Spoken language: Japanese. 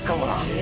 え？